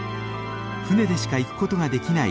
船でしか行くことができない